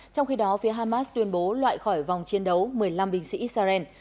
trong khi đó phía hamas tuyên bố loại khỏi vòng chiến đấu một mươi năm binh sĩ israel